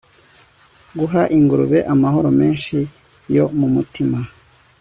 guha ingurube amahoro menshi yo mumutima